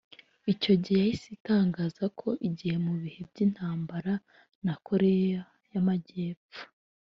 icyo gihe yahise itangaza ko igiye mu bihe by’intambara na Koreya y’Amajyepfo